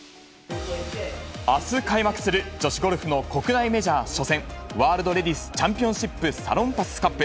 あす開幕する女子ゴルフの国内メジャー初戦、ワールドレディスチャンピオンシップサロンパスカップ。